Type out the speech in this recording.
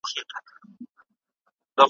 دوست ته حال وایه دښمن ته لافي وهه ,